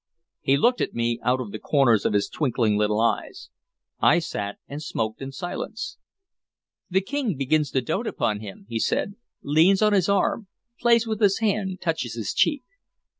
He looked at me out of the corners of his little twinkling eyes. I sat and smoked in silence. "The King begins to dote upon him," he said; "leans on his arm, plays with his hand, touches his cheek.